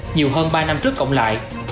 nhiều hơn ba năm trước cộng lại